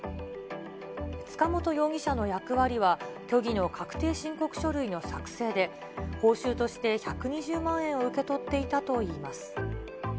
塚本容疑者の役割は、虚偽の確定申告書類の作成で、報酬として１２０万円を受け取っていたといいます。